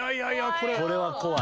これは怖い。